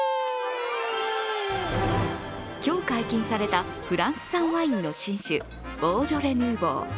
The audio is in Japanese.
今日解禁されたフランス産ワインの新酒ボージョレ・ヌーボー。